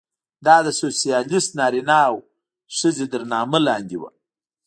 دا د سوسیالېست نارینه او ښځه تر نامه لاندې وه.